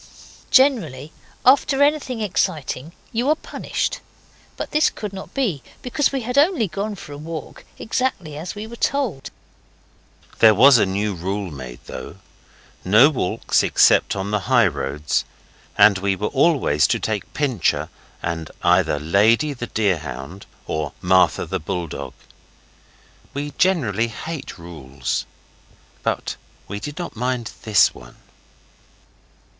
Generally, after anything exciting, you are punished but this could not be, because we had only gone for a walk, exactly as we were told. There was a new rule made, though. No walks except on the high roads, and we were always to take Pincher and either Lady, the deer hound, or Martha, the bulldog. We generally hate rules, but we did not mind this one.